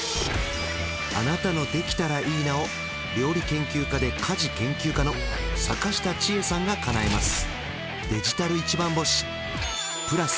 あなたの「できたらいいな」を料理研究家で家事研究家の阪下千恵さんがかなえます